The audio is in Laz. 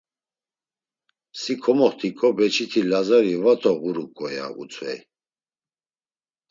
Si komoxt̆iǩo beçiti Lazari va to ğuruǩo, ya utzvey.